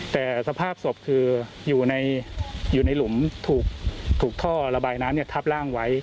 แต่สภาพศพคืออยู่ในหลุมถูกท่อระบายน้ำทับร่างไว้